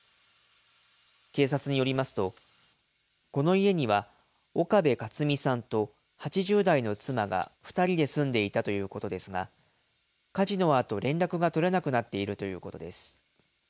警察によりますと、この家には岡部克己さんと８０代の妻が２人で住んでいたということですが、火事のあと連絡が取れなくなっているということです。